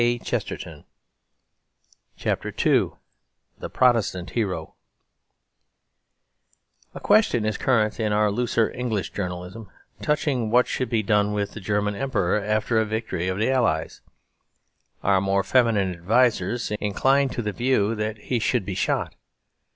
K. CHESTERTON II The Protestant Hero A question is current in our looser English journalism touching what should be done with the German Emperor after a victory of the Allies. Our more feminine advisers incline to the view that he should be shot.